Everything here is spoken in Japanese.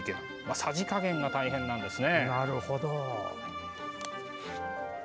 さじ加減が大変なんですね。